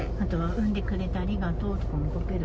産んでくれてありがとうって書ける？